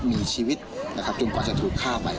มีชีวิตจนกว่าจะถูกฆ่าไป